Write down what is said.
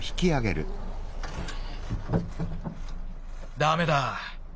ダメだ。